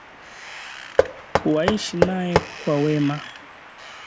waishi naye kwa wema